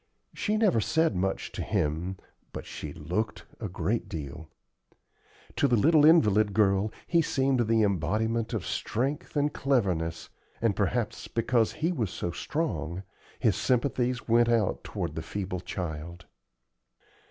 She never said much to him, but she looked a great deal. To the little invalid girl he seemed the embodiment of strength and cleverness, and, perhaps because he was so strong, his sympathies went out toward the feeble child.